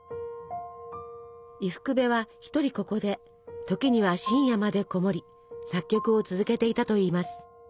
伊福部は一人ここで時には深夜までこもり作曲を続けていたといいます。